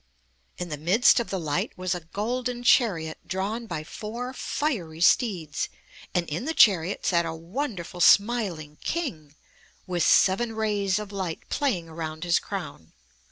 In the midst of the light was a golden chariot, drawn by four fiery steeds, and in the chariot sat a wonderful, smiling King, with seven rays of light playing around his crown.